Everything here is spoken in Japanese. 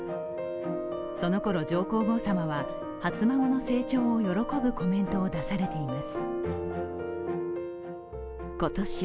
その頃、上皇后さまは初孫の成長を喜ぶコメントを出されています。